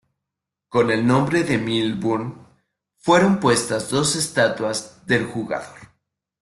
Con el nombre de Milburn fueron puestas dos estatuas del jugador.